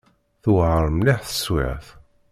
Tewɛer mliḥ teswiɛt.